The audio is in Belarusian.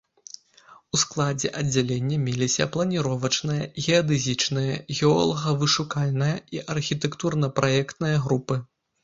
У складзе аддзялення меліся планіровачная, геадэзічная, геолага-вышукальная і архітэктурна-праектная групы.